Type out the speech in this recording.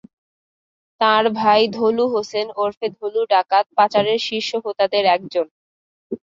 তাঁর ভাই ধলু হোসেন ওরফে ধলু ডাকাত পাচারের শীর্ষ হোতাদের একজন।